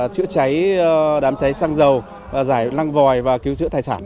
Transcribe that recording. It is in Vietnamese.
chữa cháy đám cháy xăng dầu giải lăng vòi và cứu chữa thải sản